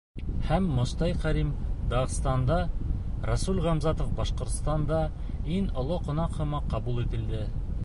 Һәм Мостай Кәрим — Дағстанда, Рәсүл Ғамзатов Башҡортостанда иң оло ҡунаҡ һымаҡ ҡабул ителде.